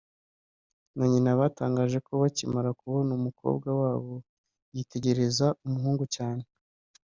na nyina batangaje ko bakimara kubona umukobwa wabo yitegereza umuhungu cyane